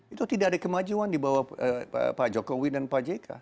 itu tidak ada kemajuan di bawah pak jokowi dan pak jk